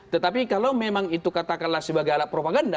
tetapi kalau memang itu katakanlah sebagai alat propaganda